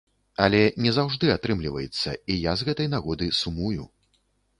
Але не заўжды атрымліваецца, і я з гэтай нагоды сумую.